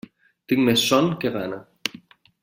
Tinc més son que gana.